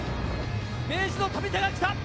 明治の富田がきた。